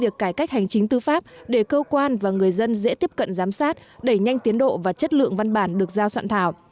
tính tư pháp để cơ quan và người dân dễ tiếp cận giám sát đẩy nhanh tiến độ và chất lượng văn bản được giao soạn thảo